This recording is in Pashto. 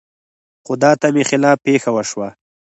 خو د تمې خلاف پېښه وشوه.